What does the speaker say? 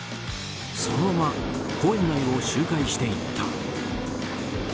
そのまま公園内を周回していった。